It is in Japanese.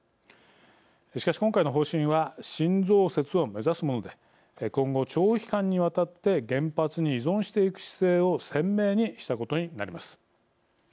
しかし、今回の方針は新増設を目指すもので今後、長期間にわたって原発に依存していく姿勢を鮮明にしたことになります。